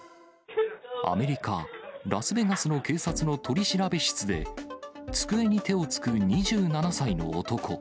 アメリカ・ラスベガスの警察の取調室で、机に手をつく２７歳の男。